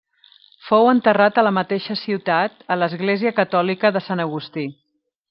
Fou enterrat a la mateixa ciutat a l'església catòlica de Sant Agustí.